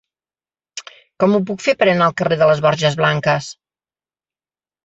Com ho puc fer per anar al carrer de les Borges Blanques?